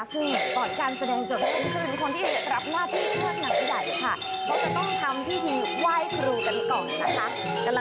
ก่อนที่จะเริ่มการแสดงค่ะ